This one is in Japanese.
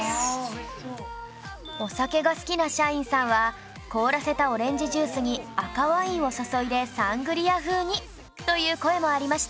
お酒が好きな社員さんは凍らせたオレンジジュースに赤ワインを注いでサングリア風にという声もありました